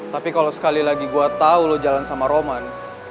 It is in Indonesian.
tapi kalau sekali lagi gue tau lo jalan sama roman